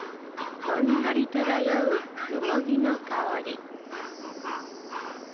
ほんのり漂うよもぎの香り。